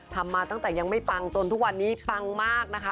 มาตั้งแต่ยังไม่ปังจนทุกวันนี้ปังมากนะคะ